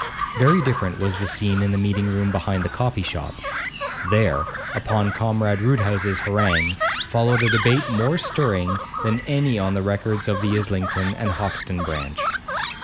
Very different was the scene in the meeting room behind the coffee shop. There, upon Comrade Roodhouse's harangue, followed a debate more stirring than any on the records of the Islington and Hoxton branch.